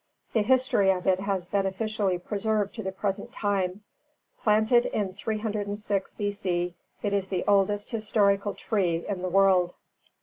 The history of it has been officially preserved to the present time. Planted in 306 B.C., it is the oldest historical tree in the world.